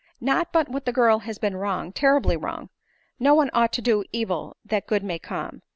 Not but what the girl has been wrong — terribly wrong ; no one ought to do evil that good may come.